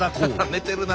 寝てるな。